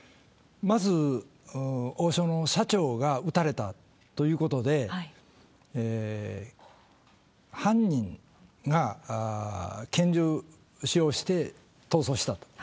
まず、王将の社長が撃たれたということで、犯人が拳銃使用して逃走したと。